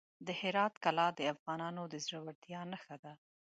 د هرات کلا د افغانانو د زړورتیا نښه ده.